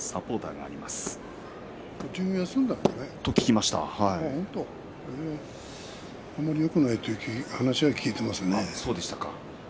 あまりよくないという話は聞いていますね。